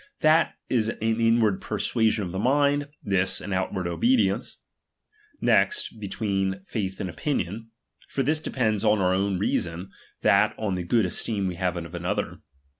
That is an inward persuasion of the mind, this an out ward obedience. Next, between y«///i and opinion ; for this depends on our o^vn reason, that on the good esteem we have of another.